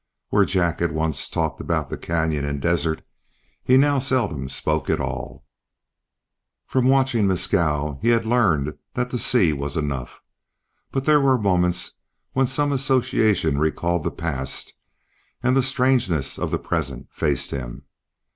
Where Jack had once talked about the canyon and desert, he now seldom spoke at all. From watching Mescal he had learned that to see was enough. But there were moments when some association recalled the past and the strangeness of the present faced him.